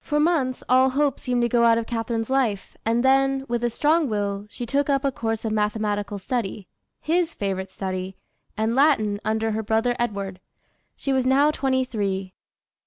For months all hope seemed to go out of Catharine's life, and then, with a strong will, she took up a course of mathematical study, his favorite study, and Latin under her brother Edward. She was now twenty three.